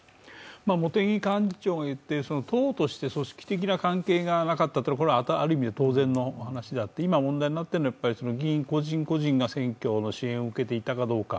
茂木幹事長が言ってる党として組織的な関係がなかったというのはある意味で当然の話であって今、問題になっているのは議員個人個人が選挙の支援を受けていたかどうか。